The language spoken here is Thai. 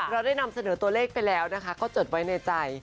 เราได้นำเสนอตัวเลขไปแล้วนะคะก็จดไว้ในใจ